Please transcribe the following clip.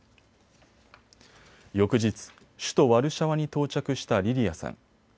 翌日、首都ワルシャワに到着したリリヤさん。